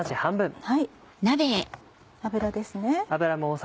油ですね。